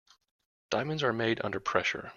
Diamonds are made under pressure.